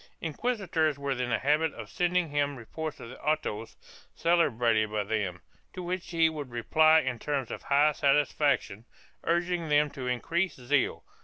3 Inquisitors were in the habit of sending him reports of the autos celebrated by them, to which he would reply in terms of high satisfaction, urging them to increased zeal.